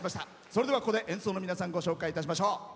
それでは、ここで演奏の皆さんご紹介いたしましょう。